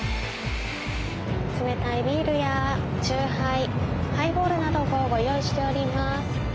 冷たいビールや酎ハイハイボールなどもご用意しております。